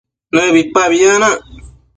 nëbipabi yanac